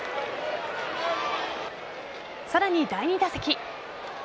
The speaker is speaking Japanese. さらに第２打席。